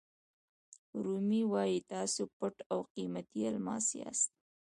رومي وایي تاسو پټ او قیمتي الماس یاست.